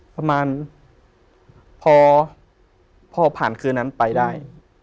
ประมาณพอผ่านคืนนั้นไปได้